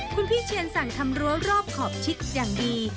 คุณพี่เชียนสั่งทำรั้วรอบขอบชิดอย่างดี